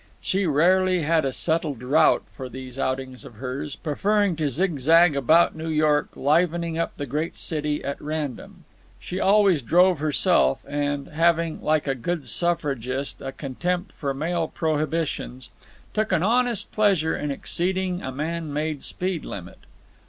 She rarely had a settled route for these outings of hers, preferring to zigzag about New York, livening up the great city at random. She always drove herself and, having, like a good suffragist, a contempt for male prohibitions, took an honest pleasure in exceeding a man made speed limit.